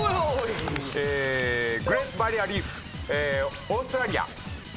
グレート・バリア・リーフオーストラリア。